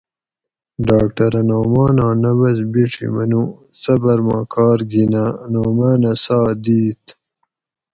"ڈاکٹرہ نعماناں نبض بِیڛی منو ""صبر ما کار گِھناۤ نعمانہ ساہ دِیت"""